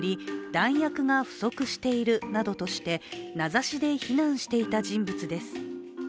弾薬が不足しているなどとして名指しで非難していた人物です。